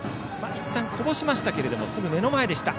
いったんこぼしましたけどすぐ目の前でした。